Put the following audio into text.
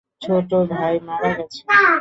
ছোট ভাই মারা গেছেন।